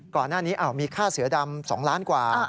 ก่อนหน้านี้มีค่าเสือดำ๒ล้านกว่า